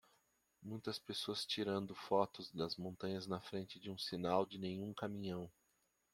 muitas pessoas tirando fotos das montanhas na frente de um sinal de nenhum caminhão